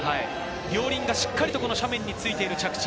両輪がしっかりと斜面についている着地。